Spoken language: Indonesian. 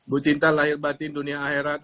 bu cinta lahir batin dunia akhirat